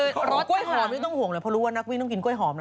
กล้วยหอมไม่ต้องห่วงเลยเพราะรู้ว่านักวิ่งต้องกินกล้วยหอมนะ